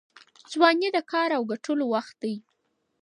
ځواني د کار او ګټلو وخت دی.